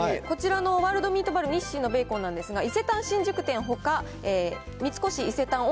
こちらのワールドミートバルニッシンのベーコンなんですが、伊勢丹新宿店のほか、三越伊勢丹